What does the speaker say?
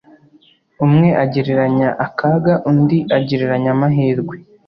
umwe agereranya akaga undi agereranya amahirwe